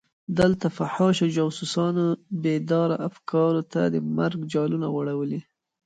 دلته فحاشو جاسوسانو بېداره افکارو ته د مرګ جالونه غوړولي.